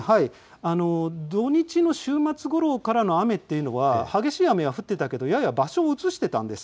土日の週末ごろからの雨というのは激しい雨は降っていたけどやや場所を移していたんです。